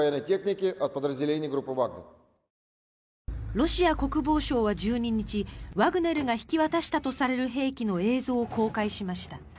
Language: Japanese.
ロシア国防省は１２日ワグネルが引き渡したとされる兵器の映像を公開しました。